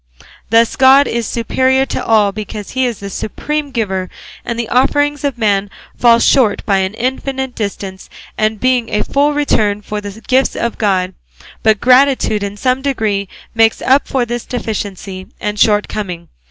Thus, God is superior to all because he is the supreme giver, and the offerings of man fall short by an infinite distance of being a full return for the gifts of God; but gratitude in some degree makes up for this deficiency and shortcoming.